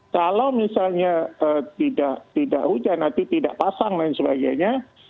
kalau misalnya tidak hujan nanti tidak pasang dan sebagainya